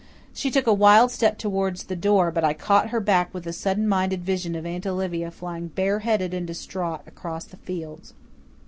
She took a wild step towards the door, but I caught her back with a sudden mind vision of Aunt Olivia flying bareheaded and distraught across the fields.